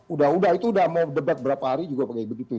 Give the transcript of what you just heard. udah udah itu udah mau debat berapa hari juga pakai begitu